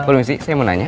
boleh mesti saya mau nanya